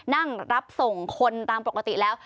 นั่งรับส่งคนตามปกติแล้ว